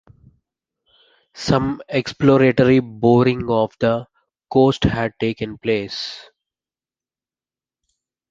Some exploratory boring off the coast had taken place.